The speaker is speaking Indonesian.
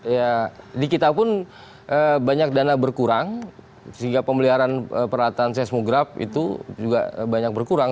ya di kita pun banyak dana berkurang sehingga pemeliharaan peralatan seismograf itu juga banyak berkurang